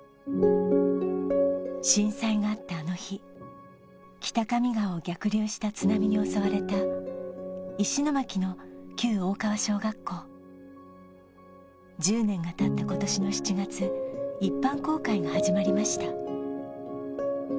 震災があったあの日北上川を逆流した津波に襲われた石巻の旧大川小学校１０年がたった今年の７月一般公開が始まりました